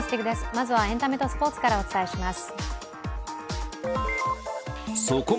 まずはエンタメとスポーツからお伝えします。